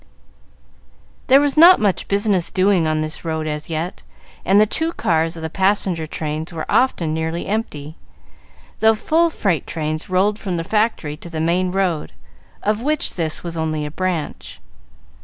There was not much business doing on this road as yet, and the two cars of the passenger trains were often nearly empty, though full freight trains rolled from the factory to the main road, of which this was only a branch.